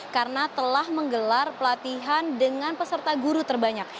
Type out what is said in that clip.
karena telah menggelar pelatihan dengan peserta guru terbanyak